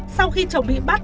sau khi chồng bị bắt